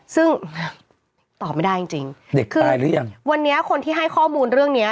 ซึ่งตอบไม่ได้จริงจริงเด็กคือตายหรือยังวันนี้คนที่ให้ข้อมูลเรื่องเนี้ย